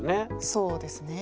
そうですね。